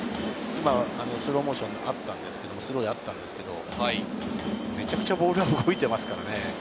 今スローモーションがあったんですけれど、めちゃくちゃボールが動いてますからね。